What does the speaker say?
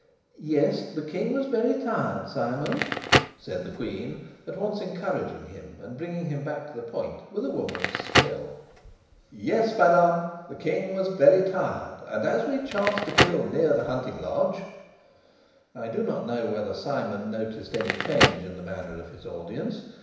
"Yes, the king was very tired, Simon?" said the queen, at once encouraging him and bringing him back to the point with a woman's skill. "Yes, madam, the king was very tired; and as we chanced to kill near the hunting lodge " I do not know whether Simon noticed any change in the manner of his audience.